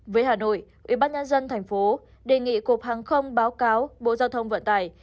với hà nội ubnd tp đề nghị cục hàng không báo cáo bộ giao thông vận tải